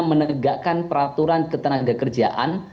menegakkan peraturan ke tenaga kerjaan